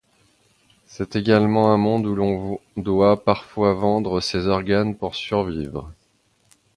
C'est également un monde où l'on doit parfois vendre ses organes pour survivre.